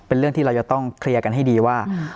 เป็นเรื่องที่เราจะต้องเคลียร์กันให้ดีว่า